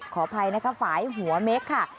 ขออภัยนะคะฝ่ายหัวเม็กค่ะ